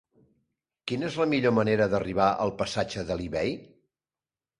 Quina és la millor manera d'arribar al passatge d'Alí Bei?